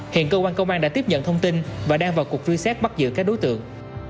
hiện cơ quan công an đã tiếp nhận thông tin và đang vào cuộc truy xét bắt giữ các đối tượng